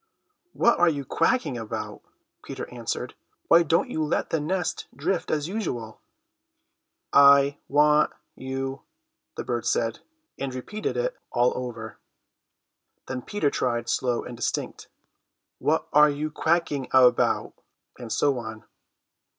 "What are you quacking about?" Peter answered. "Why don't you let the nest drift as usual?" "I—want—you—" the bird said, and repeated it all over. Then Peter tried slow and distinct. "What—are—you—quacking—about?" and so on.